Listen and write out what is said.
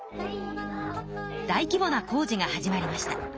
大規ぼな工事が始まりました。